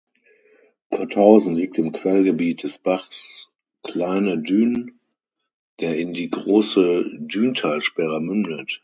Kotthausen liegt im Quellgebiet des Bachs Kleine Dhünn, der in die Große Dhünntalsperre mündet.